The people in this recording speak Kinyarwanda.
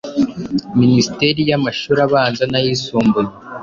Minisiteri y’Amashuri Abanza n’Ayisumbuye,